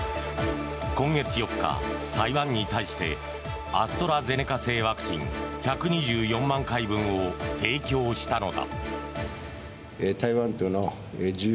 今月４日、台湾に対してアストラゼネカ製ワクチン１２４万回分を提供したのだ。